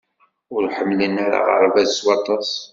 Ur ḥemmlen ara aɣerbaz s waṭas.